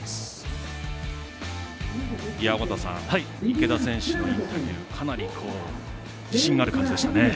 池田選手のインタビューかなり自信がある感じでしたね。